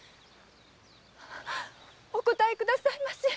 お答えくださいませ。